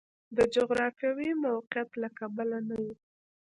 د جغرافیوي موقعیت له کبله نه و.